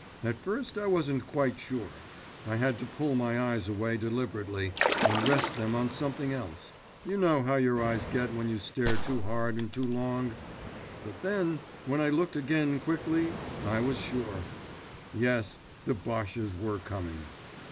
At first I wasn't quite sure. I had to pull my eyes away deliberately, and rest them on something else—you know how your eyes get when you stare too hard and too long; but then, when I looked again quickly, I was sure. Yes, the 'Bosches' were coming!